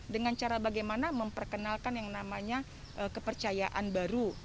dengan cara bagaimana memperkenalkan yang namanya kepercayaan baru